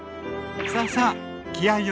さあさあ